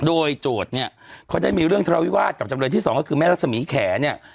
โดยโจทย์เนี่ยเขาได้มีเรื่องทะเลาวิวาสกับจำเลยที่สองก็คือแม่รัศมีแขเนี่ย